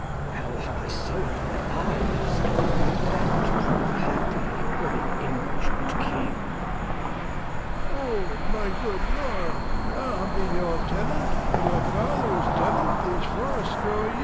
Well have I sold my Eyes, if the Event Prove happy for the injur'd King. Old M. O, my good Lord, I have been your Tenant, and your Father's Tenant these Fourscore Years.